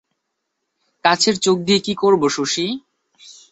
কাচের চোখ দিয়ে কী করব শশী!